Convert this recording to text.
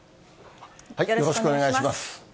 よろしくお願いします。